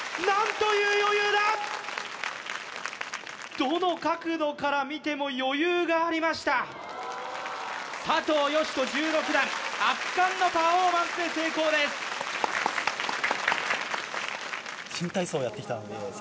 何という余裕だどの角度から見ても余裕がありました佐藤嘉人１６段圧巻のパフォーマンスで成功です